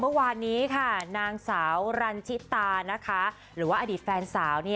เมื่อวานนี้ค่ะนางสาวรันชิตานะคะหรือว่าอดีตแฟนสาว